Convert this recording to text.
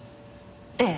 ええ。